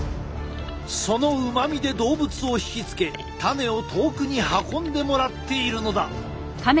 そのうまみで動物を引き付け種を遠くに運んでもらっているのだ！